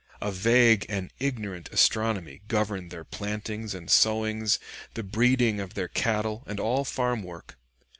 A vague and ignorant astronomy governed their plantings and sowings, the breeding of their cattle, and all farm work.